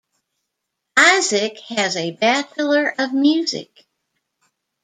Isaac has a Bachelor of music.